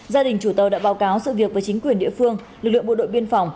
gia đình chủ tàu đã báo cáo sự việc với chính quyền địa phương lực lượng bộ đội biên phòng